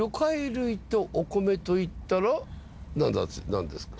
何ですか？